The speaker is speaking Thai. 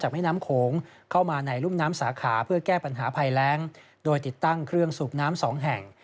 แม่น้ำโขงเข้ามาในรุ่มน้ำสาขาเพื่อแก้ปัญหาภัยแรงโดยติดตั้งเครื่องสูบน้ำสองแห่ง